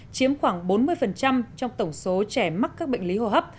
chiếm khoảng bốn mươi trong tổng số trẻ mắc các bệnh lý hô hấp